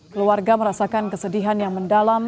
keluarga merasakan kesedihan yang mendalam